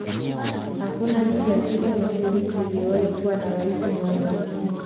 hakuna nchi ya afrika mashariki iliyowahi kuwa na raisi mwanamke